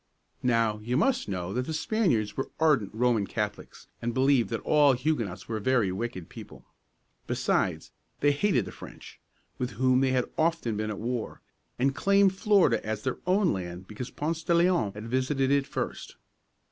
Now, you must know that the Spaniards were ardent Roman Catholics, and believed that all Huguenots were very wicked people. Besides, they hated the French, with whom they had often been at war, and claimed Florida as their own land because Ponce de Leon had visited it first.